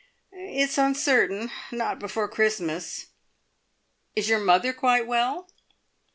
"It's uncertain. Not before Christmas. Is your mother quite well?"